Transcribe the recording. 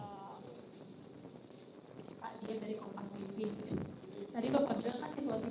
tidak kondusif pada perlawanan dari pak diem dari kompas livi